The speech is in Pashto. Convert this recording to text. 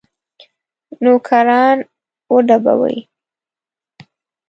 نوکران وډبوي.